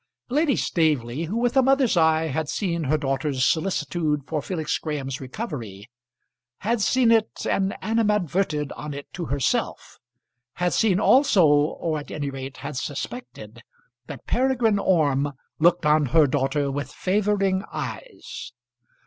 Lady Staveley, who with a mother's eye had seen her daughter's solicitude for Felix Graham's recovery, had seen it, and animadverted on it to herself, had seen also, or at any rate had suspected, that Peregrine Orme looked on her daughter with favouring eyes.